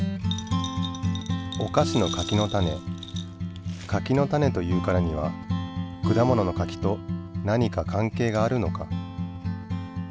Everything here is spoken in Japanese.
お菓子の柿の種柿の種というからには果物の柿と何か関係があるのか？